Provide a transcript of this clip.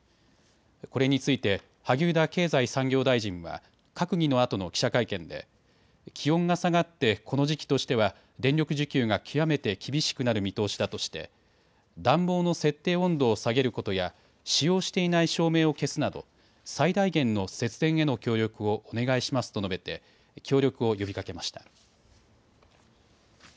これについて萩生田経済産業大臣は閣議のあとの記者会見で気温が下がってこの時期としては電力需給が極めて厳しくなる見通しだとして暖房の設定温度を下げることや使用していない照明を消すなど最大限の節電への協力をお願いしますと述べて協力を呼びかけました。